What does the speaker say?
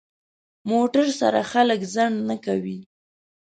موټر سره خلک ځنډ نه کوي.